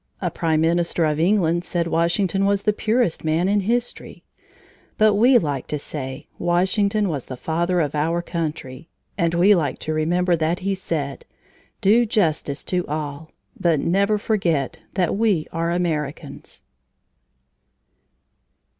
A prime minister of England said Washington was the purest man in history. But we like to say Washington was the Father of our country, and we like to remember that he said: "Do justice to all, but never forget that we are Americans!"